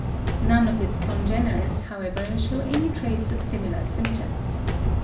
None of its congeners, however, show any trace of similar symptoms.